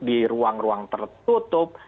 di ruang ruang tertutup